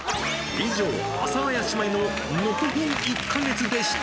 以上、阿佐ヶ谷姉妹ののほほん１か月でした。